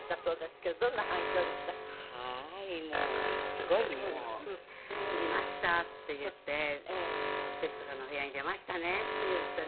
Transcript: すごいもう見ましたっていって「徹子さんのお部屋」に出ましたねっていってね